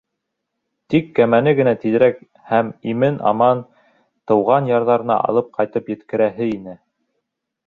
Тик кәмәне генә тиҙерәк һәм имен-аман тыуған ярҙарына алып ҡайтып еткерәһе ине.